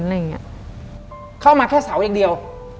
เขาเอามาแค่เสาอย่างเดียว